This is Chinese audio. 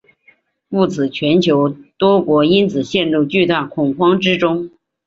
故此全球多国因此陷入巨大恐慌之中。